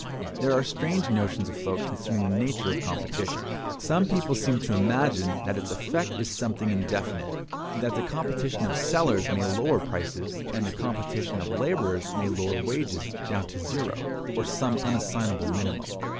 There are strange notions afloat concerning the nature of competition. Some people seem to imagine that its effect is something indefinite; that the competition of sellers may lower prices, and the competition of laborers may lower wages, down to zero, or some unassignable minimum.